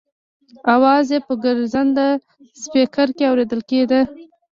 اواز یې په ګرځنده سپېکر کې اورېدل کېده.